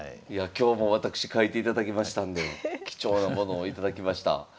今日も私書いていただきましたんで貴重なものを頂きました。